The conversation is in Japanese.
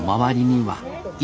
はい。